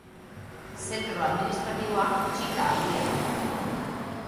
Zentro administratiboa Txita hiria da.